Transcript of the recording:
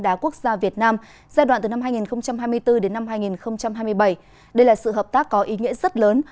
đá quốc gia việt nam giai đoạn từ năm hai nghìn hai mươi bốn đến năm hai nghìn hai mươi bảy đây là sự hợp tác có ý nghĩa rất lớn